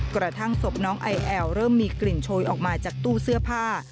กระทั่งศพน้องไอแอลเริ่มมีกลิ่นโชยออกมาจากตู้เสื้อผ้า